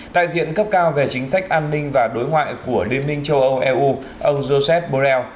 đại diện cấp cao về chính sách an ninh và đối ngoại của liên minh châu âu eu ông josep borrell